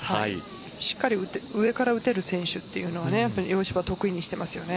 しっかり上から打てる選手というのは洋芝、得意にしていますよね。